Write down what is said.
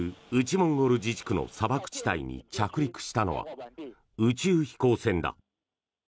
モンゴル自治区の砂漠地帯に着陸したのは宇宙飛行船だ。